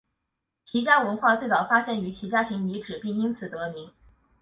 齐家文化最早发现于齐家坪遗址并因此得名。